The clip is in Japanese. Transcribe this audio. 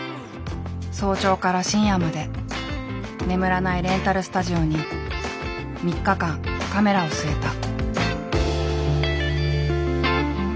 早朝から深夜まで眠らないレンタルスタジオに３日間カメラを据えた。